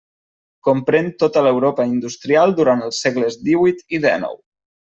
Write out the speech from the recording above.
Comprén tota l'Europa industrial durant els segles díhuit i dènou.